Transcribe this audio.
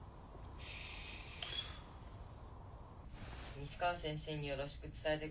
・西川先生によろしく伝えてください。